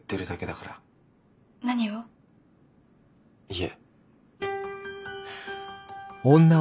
家。